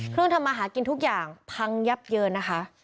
ทำมาหากินทุกอย่างพังยับเยินนะคะ